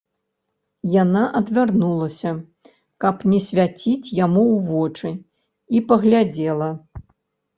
Яна адвярнулася, каб не свяціць яму ў вочы, і паглядзела.